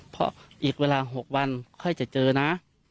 เพราะอีกเวลา๖วันค่อยจะเจอนะ